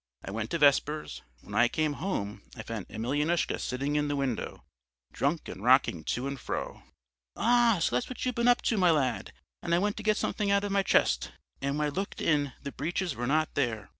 I went to vespers; when I came home I found Emelyanoushka sitting in the window, drunk and rocking to and fro. "Ah! so that's what you've been up to, my lad! And I went to get something out of my chest. And when I looked in, the breeches were not there....